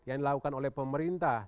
yang dilakukan oleh pemerintah